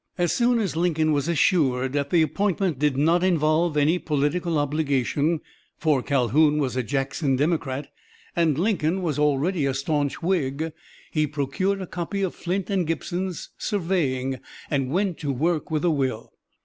As soon as Lincoln was assured that the appointment did not involve any political obligation for Calhoun was a Jackson Democrat, and Lincoln was already a staunch Whig he procured a copy of Flint and Gibson's "Surveying" and went to work with a will.